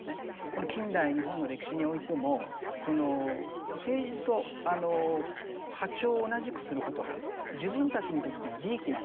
この近代日本の歴史においてもその政治と波長を同じくすることが自分たちにとっての利益なんじゃないか。